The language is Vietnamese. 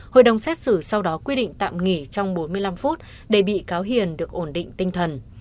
hội đồng xét xử sau đó quy định tạm nghỉ trong bốn mươi năm phút để bị cáo hiền được ổn định tinh thần